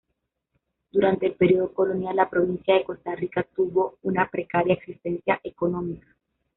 Durante el periodo colonial, la provincia de Costa Rica tuvo una precaria existencia económica.